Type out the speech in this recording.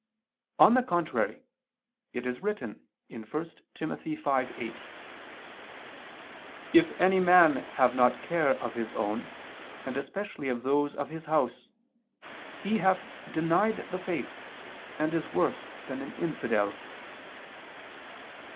On the contrary, It is written (1 Tim. 5:8): "If any man have not care of his own and especially of those of his house, he hath denied the faith, and is worse than an infidel."